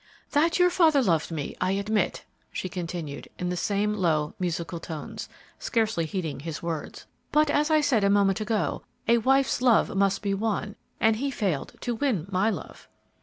"That your father loved me, I admit," she continued, in the same low, musical tones, scarcely heeding his words; "but, as I said a moment ago, a wife's love must be won, and he failed to win my love."